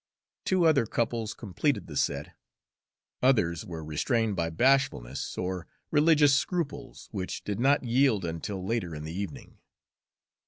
Two other couples completed the set; others were restrained by bashfulness or religious scruples, which did not yield until later in the evening.